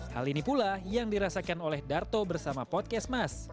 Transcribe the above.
hal ini pula yang dirasakan oleh darto bersama podkesmas